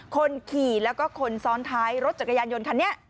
คนขี่แล้วก็คนซ้อนท้ายรถจักรยานยนต์คันนี้